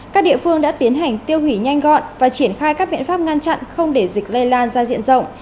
các địa phương đã tiến hành tiêu hủy nhanh gọn và triển khai các biện pháp ngăn chặn không để dịch lây lan ra diện rộng